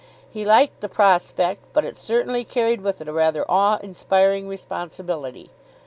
He liked the prospect, but it certainly carried with it a rather awe inspiring responsibility.